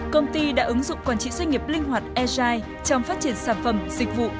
công ty đã ứng dụng quản trị doanh nghiệp linh hoạt agile trong phát triển sản phẩm dịch vụ